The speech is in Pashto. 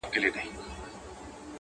يار تر کوڅه تېر که، رنگ ئې هېر که.